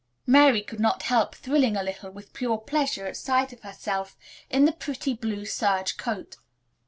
Mary could not help thrilling a little with pure pleasure at sight of herself in the pretty blue serge coat.